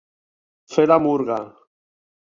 Fer la murga.